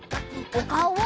おかおを！